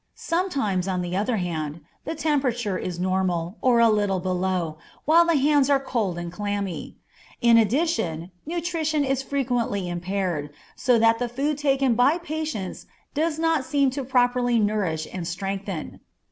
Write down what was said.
Sometimes, on the other hand, the temperature is normal, or a little below, while the hands are cold and clammy. In addition, nutrition is frequently impaired, so that the food taken by patients does not seem to properly nourish and strengthen.